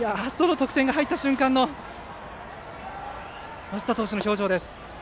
得点が入った瞬間の升田投手の表情です。